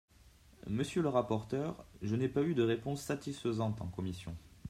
Monsieur le rapporteur, je n’ai pas eu de réponse satisfaisante en commission.